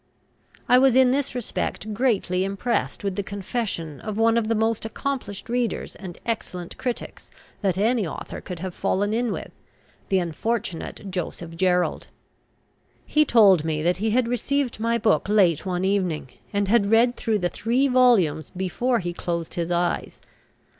I was in this respect greatly impressed with the confession of one of the most accomplished readers and excellent critics that any author could have fallen in with (the unfortunate Joseph Gerald). He told me that he had received my book late one evening, and had read through the three volumes before he closed his eyes.